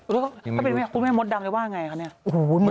ถ้าเป็นแม่คุณแม่มดดำแล้วว่าไงคะนี่